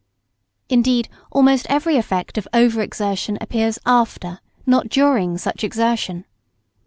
Indeed, almost every effect of over exertion appears after, not during such exertion.